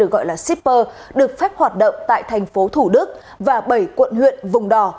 gọi là shipper được phép hoạt động tại thành phố thủ đức và bảy quận huyện vùng đò